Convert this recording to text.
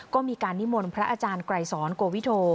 ก็มีการนิมนต์พระอาจารย์ไกรสอนโกวิโธ